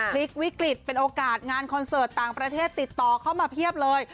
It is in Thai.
พลิกวิกฤตเป็นโอกาสงานคอนเสิร์ตต่างประเทศติดต่อเข้ามาเพียบเลย